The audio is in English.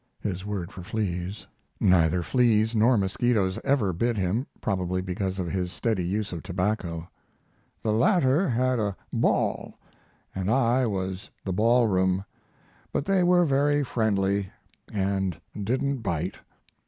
[His word for fleas. Neither fleas nor mosquitoes ever bit him probably because of his steady use of tobacco.] The latter had a ball & I was the ballroom; but they were very friendly and didn't bite.